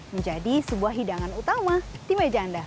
menjadi sebuah hidangan utama di meja anda